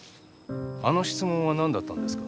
あの質問は何だったんですか？